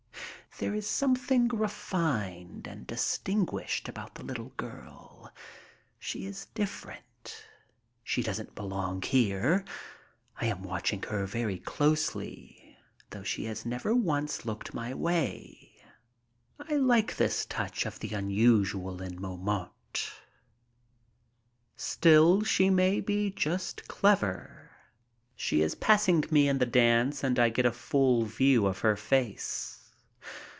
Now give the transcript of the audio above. There is something refined and distinguished about the little girl. She is different. Doesn't belong here. I am watching her very closely, though she has never once looked my way. I like this touch of the unusual in Montmartre. Still she may be just clever. She is passing me in the dance and I get a full view of her face.